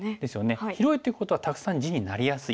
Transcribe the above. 広いということはたくさん地になりやすい。